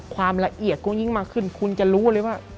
ความละเอียดก็ยิ่งมากขึ้นคุณจะรู้เลยว่า